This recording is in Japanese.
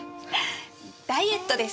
ダイエットです